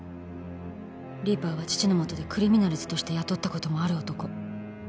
「リーパーは父のもとでクリミナルズとして雇ったこともある男」